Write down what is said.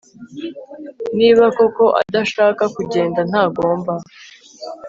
Niba koko adashaka kugenda ntagomba